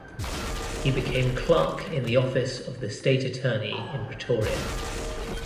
He became clerk in the office of the State Attorney in Pretoria.